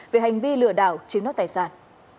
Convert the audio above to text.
về hành vi lừa đảo chiếm đốt tài sản